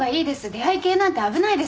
出会い系なんて危ないですよ。